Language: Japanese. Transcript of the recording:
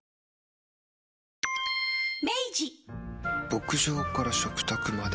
牧場から食卓まで。